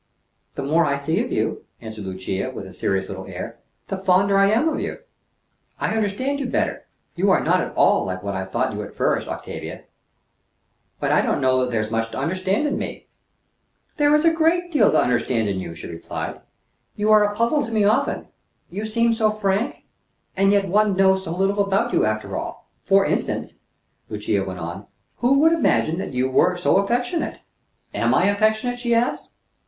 "The more I see of you," answered Lucia with a serious little air, "the fonder I am of you. I understand you better. You are not at all like what I thought you at first, Octavia." "But I don't know that there's much to understand in me." "There is a great deal to understand in you," she replied. "You are a puzzle to me often. You seem so frank, and yet one knows so little about you after all. For instance," Lucia went on, "who would imagine that you are so affectionate?" "Am I affectionate?" she asked.